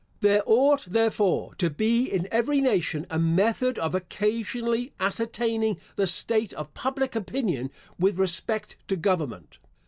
There ought, therefore, to be in every nation a method of occasionally ascertaining the state of public opinion with respect to government.